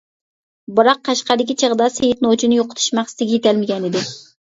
بىراق قەشقەردىكى چېغىدا سېيىت نوچىنى يوقىتىش مەقسىتىگە يېتەلمىگەنىدى.